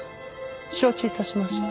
承知致しました。